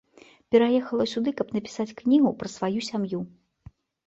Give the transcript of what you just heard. Пераехала сюды, каб напісаць кнігу пра сваю сям'ю.